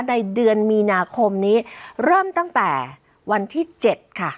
ในเดือนมีนาคมนี้เริ่มตั้งแต่วันที่๗ค่ะ